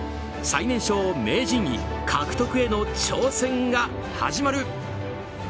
最年少名人位獲得への挑戦が始まる。